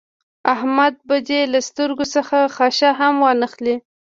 احمد به دې له سترګو څخه خاشه هم وانخلي.